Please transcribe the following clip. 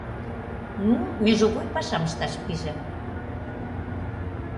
Ну, межовой пашам ышташ пиже.